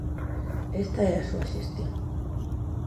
Esta é a súa xestión.